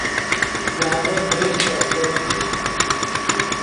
یاڑے درشچ استت